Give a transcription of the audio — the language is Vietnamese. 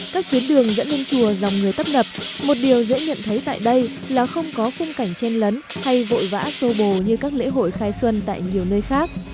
các tuyến đường dẫn lên chùa dòng người tấp nập một điều dễ nhận thấy tại đây là không có khung cảnh chen lấn hay vội vã sô bồ như các lễ hội khai xuân tại nhiều nơi khác